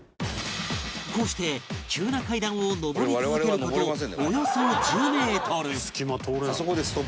こうして急な階段を上り続ける事およそ１０メートル